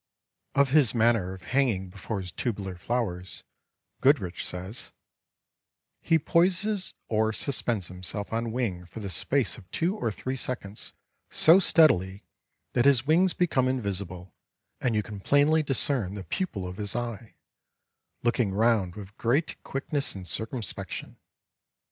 Of his manner of hanging before his tubular flowers Goodrich says: "He poises or suspends himself on wing for the space of two or three seconds so steadily that his wings become invisible and you can plainly discern the pupil of his eye, looking round with great quickness and circumspection.